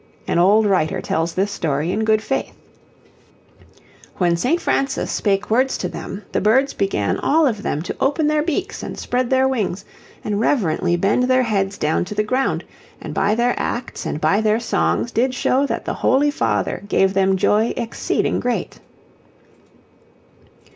An old writer tells this story in good faith: When St. Francis spake words to them, the birds began all of them to open their beaks and spread their wings and reverently bend their heads down to the ground, and by their acts and by their songs did show that the holy Father gave them joy exceeding great.